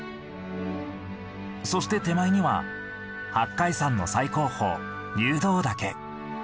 そして手前には八海山の最高峰入道岳。